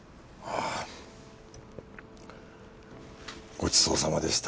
ごちそうさまでした。